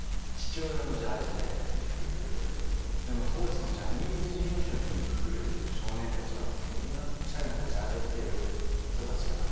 でも当時ジャニーズ事務所に来る少年たちはみんなおしゃれなジャージを着てる人たちがたくさん来るわけですよ。